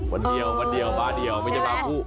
วันเดียววันเดียววันเดียวไม่ใช่บาร์ผู้